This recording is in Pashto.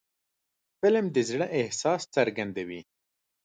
فلم د زړه احساس څرګندوي